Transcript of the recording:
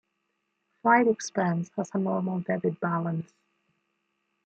Freight expense has a normal debit balance.